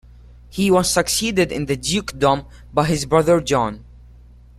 He was succeeded in the dukedom by his brother John.